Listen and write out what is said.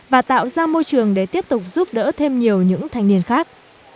và tạo ra môi trường để tiếp tục giúp đỡ thêm nhiều những thanh niên khác